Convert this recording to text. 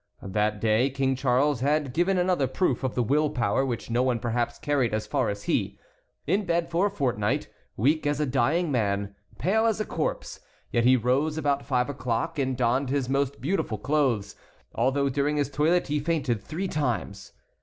That day King Charles had given another proof of the will power which no one perhaps carried as far as he. In bed for a fortnight, weak as a dying man, pale as a corpse, yet he rose about five o'clock and donned his most beautiful clothes, although during his toilet he fainted three times.